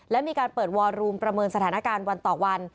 และมีการเปิดวอรูมประเมินสถานการณ์วันต่อวัน